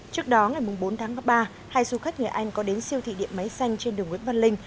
trước đó ngày bốn tháng ba hai du khách người anh có đến siêu thị điện máy xanh trên đường nguyễn văn linh